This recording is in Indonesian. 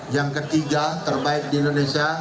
yang ketiga terbaik di indonesia